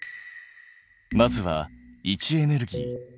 まずは位置エネルギー。